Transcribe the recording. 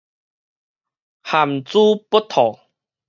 含珠不吐